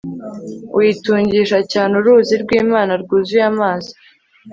Uyitungisha cyane uruzi rwImana rwuzuye amazi